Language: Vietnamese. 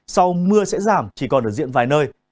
sau mưa sẽ giảm chỉ còn ở diện vài nơi